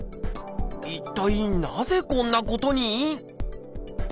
一体なぜこんなことに？